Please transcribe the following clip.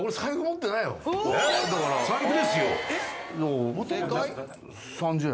えっ財布ですよ。